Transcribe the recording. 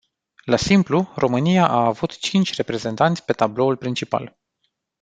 La simplu, România a avut cinci reprezentanți pe tabloul principal.